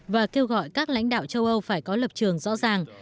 và kêu gọi các lãnh đạo châu âu phải có lập trường rõ ràng